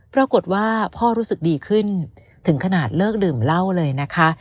ปรากฏว่าพ่อรู้สึกดีขึ้นถึงขนาดเลิกดื่มเหล้าเลยนะคะ